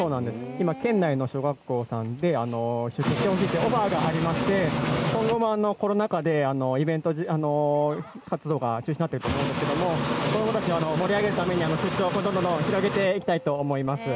今、県内の小学校さんで出張というオファーがありましてコロナ禍でイベント活動が中止になってるところがあると思うんですが子どもたちを盛り上げるために広げていきたいと思います。